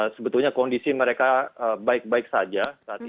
sebetulnya kondisi mereka baik baik saja saat ini